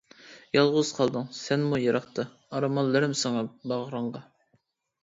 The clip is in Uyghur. يالغۇز قالدىڭ سەنمۇ يىراقتا، ئارمانلىرىم سىڭىپ باغرىڭغا.